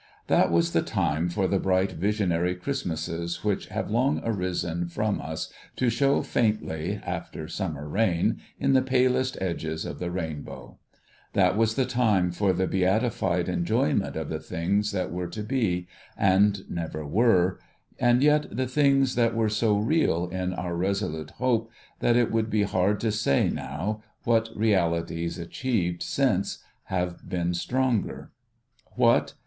That was the time for the bright visionary Christmases which have long arisen from us to show faintly, after summer rain, in the palest edges of the rainbow ! That was the time for the beatified enjoyment of the things that were to be, and never were, and yet the things that were so real in our resolute hope that it would be hard to say, now, what realities achieved since, have been stronger ! What